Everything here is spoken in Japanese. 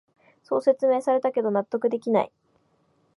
そう説明されたけど納得できない